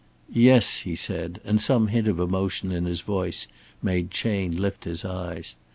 "Yes," he said, and some hint of emotion in his voice made Chayne lift his eyes.